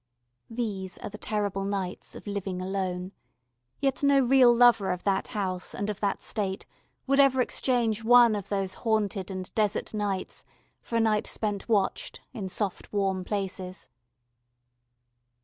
These are the terrible nights of Living Alone, yet no real lover of that house and of that state would ever exchange one of those haunted and desert nights for a night spent watched, in soft warm places.